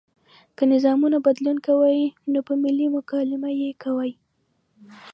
که نظامونه بدلون کوي نو په ملي مکالمه یې کوي.